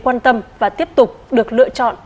quan tâm và tiếp tục được lựa chọn